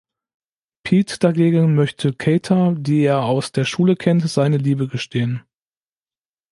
Pete dagegen möchte Kata, die er aus der Schule kennt, seine Liebe gestehen.